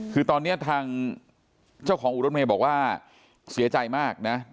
คือตอนนี้ทางเจ้าของอู่รถเมย์บอกว่าเสียใจมากนะ